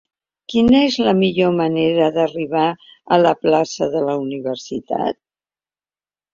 Quina és la millor manera d'arribar a la plaça de la Universitat?